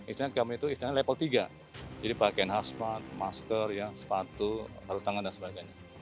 istilahnya kami itu level tiga jadi pakai hasmat masker sepatu sarung tangan dan sebagainya